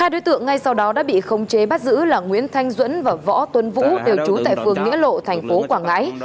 hai đối tượng ngay sau đó đã bị khống chế bắt giữ là nguyễn thanh duẫn và võ tuấn vũ đều trú tại phường nghĩa lộ thành phố quảng ngãi